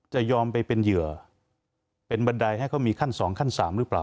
จะยอมไปเป็นเหยื่อเป็นบันไดให้เขามีขั้น๒ขั้น๓หรือเปล่า